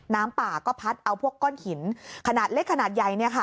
น้ำป่าก็พัดเอาพวกก้อนหินขนาดเล็กขนาดใหญ่เนี่ยค่ะ